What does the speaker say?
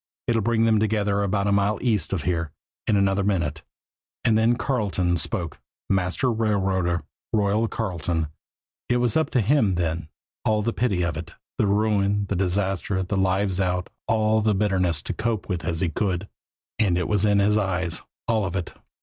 "It'll bring them together about a mile east of there in another minute." And then Carleton spoke master railroader, "Royal" Carleton, it was up to him then, all the pity of it, the ruin, the disaster, the lives out, all the bitterness to cope with as he could. And it was in his eyes, all of it.